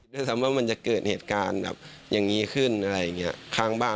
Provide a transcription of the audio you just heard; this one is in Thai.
ด้วยซ้ำว่ามันจะเกิดเหตุการณ์แบบอย่างนี้ขึ้นอะไรอย่างนี้ข้างบ้าน